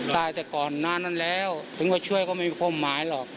ตายแต่ก่อนหน้านั้นแล้วถึงว่าช่วยก็มีความหมายหรอก